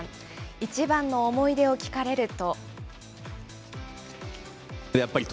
一番の思い出を聞かれると。